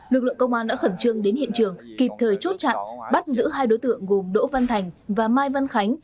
lực lượng công an đã khẩn trương đến hiện trường kịp thời chốt chặn bắt giữ hai đối tượng gồm đỗ văn thành và mai văn khánh